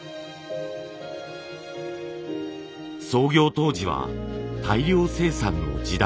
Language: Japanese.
創業当時は大量生産の時代。